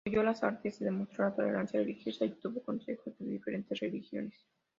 Apoyó las artes y demostró tolerancia religiosa, y tuvo consejeros de diferentes religiones.